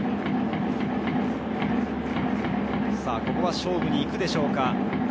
ここは勝負にいくでしょうか？